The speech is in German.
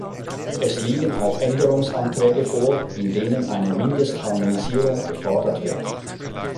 Es liegen auch Änderungsanträge vor, in denen eine Mindestharmonisierung gefordert wird.